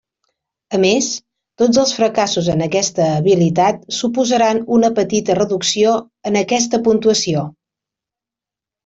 A més, tots els fracassos en aquesta habilitat suposaran una petita reducció en aquesta puntuació.